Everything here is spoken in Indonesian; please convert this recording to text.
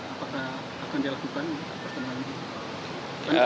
apakah akan dilakukan pertemuan ini